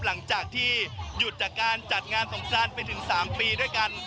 หลังจากที่หยุดจากการจัดงานสงกรานไปถึง๓ปีด้วยกัน